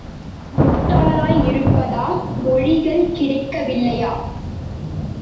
முட்டாளாய் இருப்பதா, மொழிகள் கிடைக்கவில்லையா?